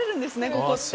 ここって。